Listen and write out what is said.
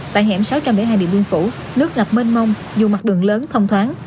tại hẻm sáu trăm linh hai điện biên phủ nước gặp mênh mông dù mặt đường lớn thông thoáng